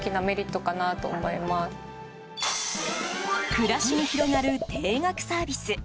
暮らしに広がる定額サービス。